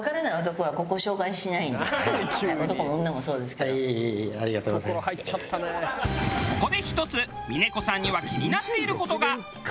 ここで１つ峰子さんには気になっている事が。